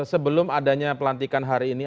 sebelum adanya pelantikan hari ini